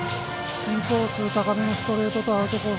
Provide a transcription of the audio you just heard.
インコース高めのストレートとアウトコース